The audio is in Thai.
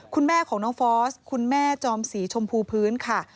คุณแม่ของน้องฟอสคุณแม่จอมสีชมพูพื้นค่ะ